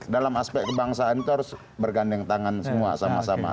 dalam aspek kebangsaan itu harus bergandeng tangan semua sama sama